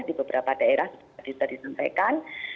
di beberapa daerah seperti tadi sudah disampaikan